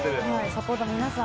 サポーターの皆さん